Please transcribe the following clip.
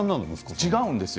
違うんですよ